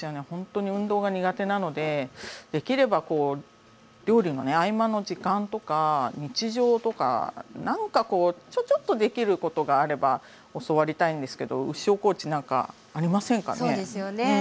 本当に運動が苦手なのでできれば料理の合間の時間とか日常とかなんかこうちょちょっとできることがあれば教わりたいんですけど牛尾コーチなんかありませんかね？